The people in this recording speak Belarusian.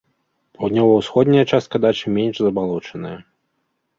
Паўднёва-ўсходняя частка дачы менш забалочаная.